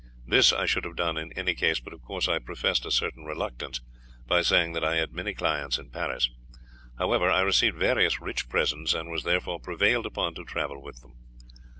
This I should have done in any case, but of course I professed a certain reluctance, by saying that I had many clients in Paris. However, I received various rich presents, and was therefore prevailed upon to travel with them."